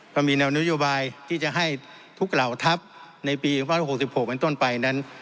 ก็มีแนวนโยบายที่จะให้ทุกเหล่าทัพในปี๒๐๖๖เป็นต้นไปนั้น